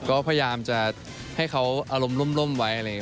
ก็พยายามจะให้เขาอารมณ์ร่มไว้อะไรอย่างนี้